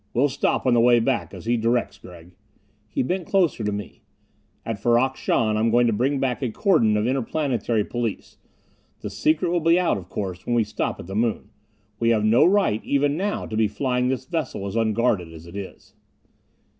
"We'll stop on the way back, as he directs, Gregg." He bent closer to me. "At Ferrok Shahn I'm going to bring back a cordon of Interplanetary Police. The secret will be out, of course, when once we stop at the moon. We have no right, even now, to be flying this vessel as unguarded as it is."